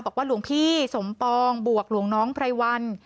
หลวงพี่สมปองบวกหลวงน้องไพรวัน